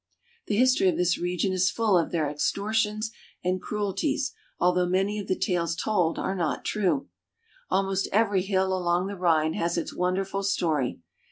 The history of this region is full of their extortions and cruelties, although many of the tales told are not true. Al most every hill along the Rhine has its wonderful story.